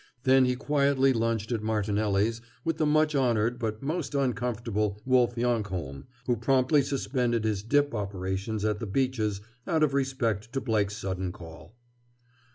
Then he quietly lunched at Martenelli's with the much honored but most uncomfortable Wolf Yonkholm, who promptly suspended his "dip" operations at the Beaches out of respect to Blake's sudden call.